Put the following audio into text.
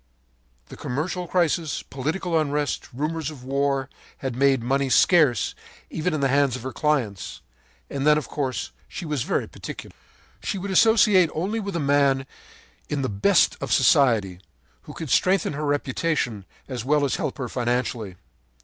“The commercial crisis, political unrest, rumors of war, had made money scarce even in the hands of her clients. And then, of course, she was very particular. “She would associate only with a man in the best of society, who could strengthen her reputation as well as help her financially.